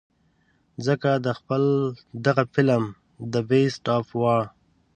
ځکه د خپل دغه فلم The Beast of War